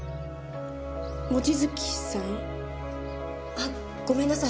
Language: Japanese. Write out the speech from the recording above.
望月さん？あっごめんなさい。